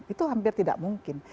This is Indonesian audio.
itu hampir tidak mungkin